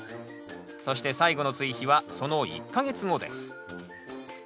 そして最後の追肥はその１か月後です。